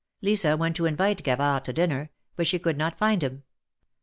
Lisa went to invite Gavard to dinner, but she could not find him.